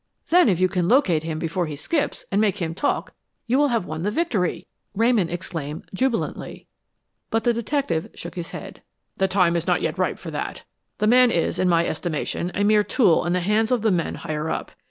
"Then if you can locate him before he skips, and make him talk, you will have won the victory," Ramon exclaimed, jubilantly. But the detective shook his head. "The time is not yet ripe for that. The man is, in my estimation, a mere tool in the hands of the men higher up.